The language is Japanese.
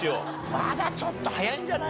まだちょっと早いんじゃない。